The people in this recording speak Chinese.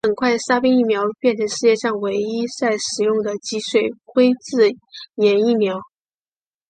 很快沙宾疫苗就变成世界上唯一在使用的脊髓灰质炎疫苗。